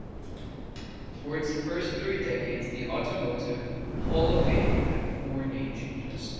For its first three decades, The Automotive Hall of Fame had four name changes.